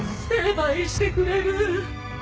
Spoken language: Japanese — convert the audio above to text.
成敗してくれる。